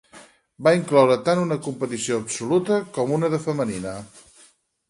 Va incloure tant una competició absoluta com una de femenina.